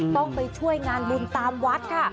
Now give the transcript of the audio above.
ต้องไปช่วยงานบุญตามวัดค่ะ